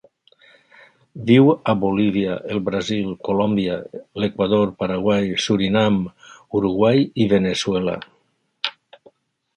Viu a Bolívia, el Brasil, Colòmbia, l'Equador, Paraguai, Surinam, Uruguai i Veneçuela.